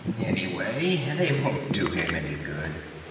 'Anyway, they won't do him any good.